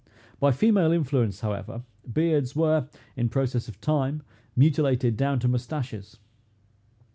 By female influence, however, beards were, in process of time, mutilated down to mustaches.